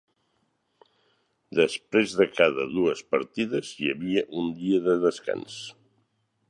Després de cada dues partides hi havia un dia de descans.